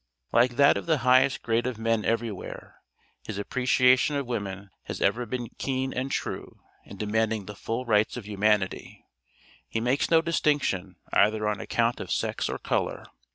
Like that of the highest grade of men everywhere, his appreciation of woman has ever been keen and true, and demanding the full rights of humanity, he makes no distinction, either on account of sex or color.